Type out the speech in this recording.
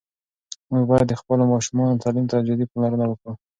موږ باید د خپلو ماشومانو تعلیم ته جدي پاملرنه وکړو.